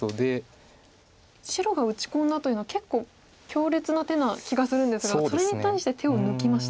白が打ち込んだというのは結構強烈な手な気がするんですがそれに対して手を抜きました。